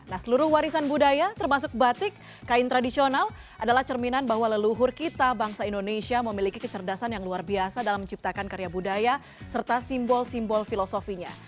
nah seluruh warisan budaya termasuk batik kain tradisional adalah cerminan bahwa leluhur kita bangsa indonesia memiliki kecerdasan yang luar biasa dalam menciptakan karya budaya serta simbol simbol filosofinya